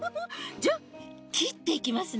じゃきっていきますね。